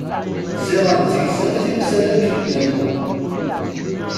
Ziɣen tegziḍ timsal akken-nniḍen.